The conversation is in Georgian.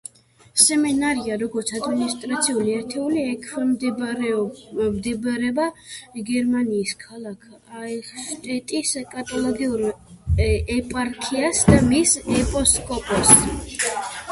სემინარია, როგორც ადმინისტრაციული ერთეული ექვემდებარება გერმანიის ქალაქ აიხშტეტის კათოლიკურ ეპარქიას და მის ეპისკოპოსს.